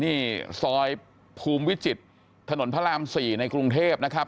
นี่ซอยภูมิวิจิตรถนนพระราม๔ในกรุงเทพนะครับ